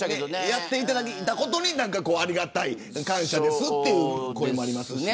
やっていただいたことにありがたい、感謝ですという声もありますよね。